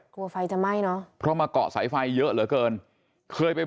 กลัวไฟจะไหม้เนอะเพราะมาเกาะสายไฟเยอะเหลือเกินเคยไป